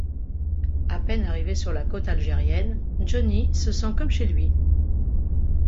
À peine arrivé sur la côte algérienne, Johnny se sent comme chez lui.